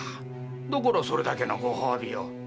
だからそれだけのご褒美を。